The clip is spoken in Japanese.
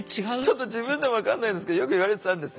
ちょっと自分でも分かんないんですけどよく言われてたんですよ。